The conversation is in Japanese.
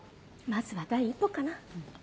まずは第一歩かな。